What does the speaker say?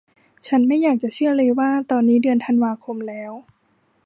ฉันไม่อยากจะเชื่อเลยว่าตอนนี้เดือนธันวาคมแล้ว